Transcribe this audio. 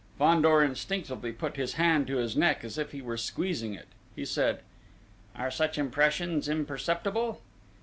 Fandor instinctively put his hand to his neck as if he were squeezing it. He said: "Are such impressions imperceptible?"